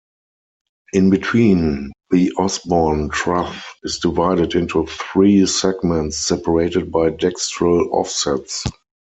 In between the Osbourn Trough is divided into three segments separated by dextral offsets.